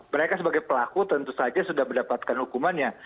mereka sebagai pelaku tentu saja sudah mendapatkan hukumannya